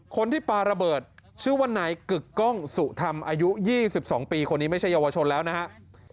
คนที่ปาระเบิดชื่อว่านายกึกกล้องสุธรรมอายุ๒๒ปีคนนี้ไม่ใช่เยาวชนแล้วนะครับ